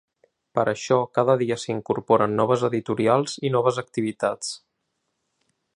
Per això, cada dia s’hi incorporen noves editorials i noves activitats.